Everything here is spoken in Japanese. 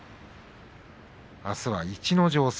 あすは逸ノ城戦。